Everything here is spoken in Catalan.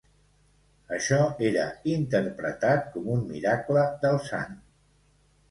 Això era interpretat com un miracle del sant.